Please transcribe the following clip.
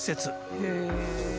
へえ。